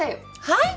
はい！？